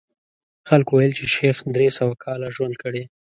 خلکو ویل چې شیخ درې سوه کاله ژوند کړی.